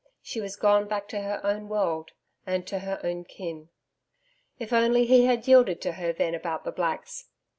She was gone back to her own world and to her own kin. If only he had yielded to her then about the Blacks!